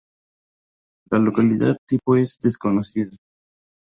La localidad tipo es desconocida.